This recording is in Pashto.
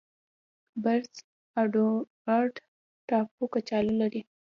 پرنس اډوارډ ټاپو کچالو لري.